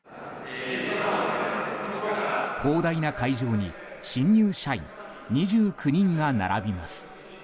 広大な会場に新入社員２９人が並びます。